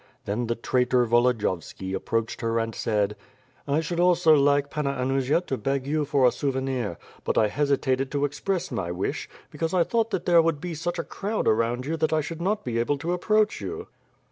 Then the traitor Volodiyovski approached her and said: "I should also like, Panna Anusia, to beg you for a sou venir; but I hesitated to express my wish, because I thought that there would be such a crowd around you that I should not be able to approach you."